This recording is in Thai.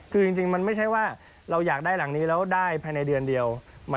คือจริงมันไม่ใช่ว่าเราอยากได้หลังนี้แล้วได้ภายในเดือนเดียว